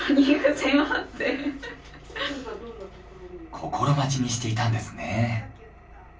心待ちにしていたんですね。